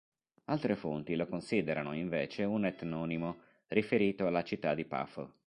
Altre fonti lo considerano invece un etnonimo, riferito alla città di Pafo.